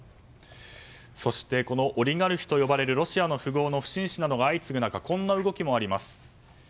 そして、オリガルヒと呼ばれるロシアの富豪の不審死などが相次ぐ中こんな動きもあります。